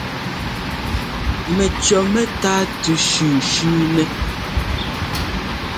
Mɛcʉɔ mɛ́táa tʉ shʉ̌shʉ̌ nɛ́.